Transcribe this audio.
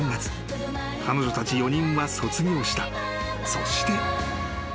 ［そして］